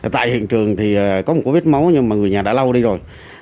tại hiện trường thì có một cố vết máu nhưng mà người nhà đã lau đi rồi